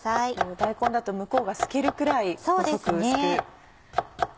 大根だと向こうが透けるくらい細く薄く。